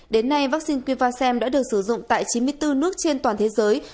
đến nay vaccine quynh vasem đã được sử dụng tại chín mươi bốn nước trên toàn thế giới